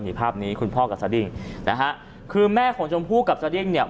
นี่ภาพนี้คุณพ่อกับสดิ้งนะฮะคือแม่ของชมพู่กับสดิ้งเนี่ย